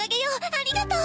ありがとう。